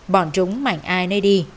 bọn trúng mạnh ai nơi đi